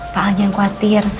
pak al jangan khawatir